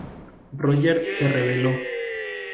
Roger se rebeló.